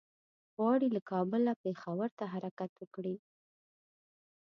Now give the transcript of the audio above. غواړي له کابله پېښور ته حرکت وکړي.